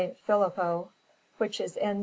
Filippo, which is in S.